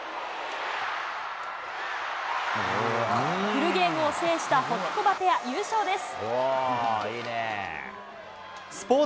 フルゲームを制したホキコバペア、優勝です。